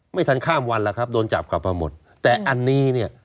ไม่ทันข้ามวันแล้วครับโดนจับกลับมาหมดแต่อันนี้เนี่ย